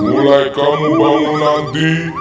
mulai kamu bangun nanti